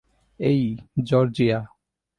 এই, জর্জিয়া।